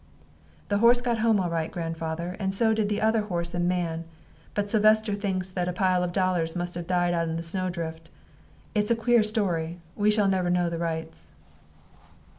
"The horse got home all right, grandfather, and so did the other horse and man. But Sylvester thinks that a pile of dollars must have died out in the snow drift. It is a queer story. We shall never know the rights."